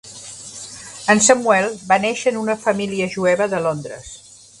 En Samuel va néixer en una família jueva de Londres.